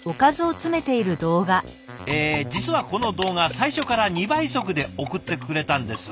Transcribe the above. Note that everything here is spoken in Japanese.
え実はこの動画最初から２倍速で送ってくれたんです。